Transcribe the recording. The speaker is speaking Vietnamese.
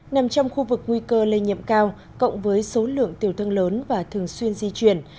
nằm trong khu vực nguy cơ lây nhiễm cao cộng với số lượng tiểu thương lớn và thường xuyên di chuyển